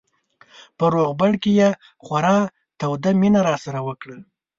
په روغبړ کې یې خورا توده مینه راسره وکړه.